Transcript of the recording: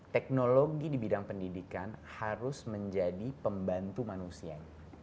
teknologi di bidang pendidikan harus menjadi pembantu manusia